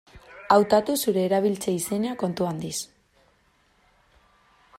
Hautatu zure erabiltzaile-izena kontu handiz.